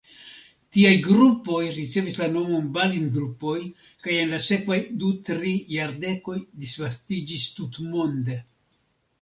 Tiaj grupoj ricevis la nomon Balint-grupoj kaj en la sekvaj du-tri jardekoj disvastiĝis tutmonde.